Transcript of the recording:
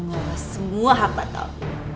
mengolah semua apa kau